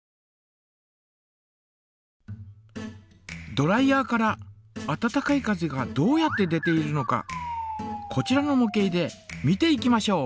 ドライヤーから温かい風がどうやって出ているのかこちらのも型で見ていきましょう。